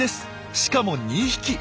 しかも２匹！